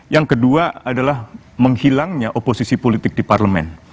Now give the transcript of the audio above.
yang kedua adalah menghilangnya oposisi politik di parlemen